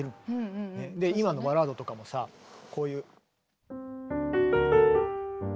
今の「バラード」とかもさこういう。